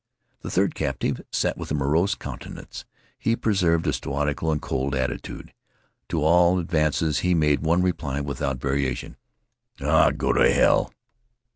The third captive sat with a morose countenance. He preserved a stoical and cold attitude. To all advances he made one reply without variation, "Ah, go t' hell!"